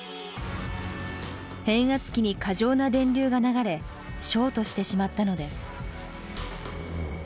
変圧器に過剰な電流が流れショートしてしまったのです。